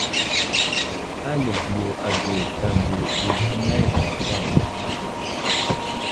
A liviyo age tanzo ɗi tənay zlavaŋ.